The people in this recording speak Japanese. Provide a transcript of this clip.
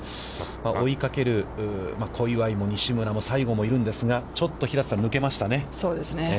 追いかける小祝も、西村も、西郷もいるんですが、ちょっと平瀬さん、抜けましたね。